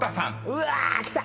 うわきた！